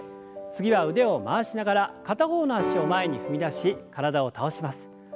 次は腕を回しながら片方の脚を前に踏み出し体を倒します。